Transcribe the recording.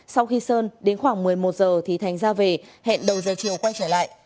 sau khi sơn đến khoảng một mươi một giờ thì thành ra về hẹn đầu giờ chiều quay trở lại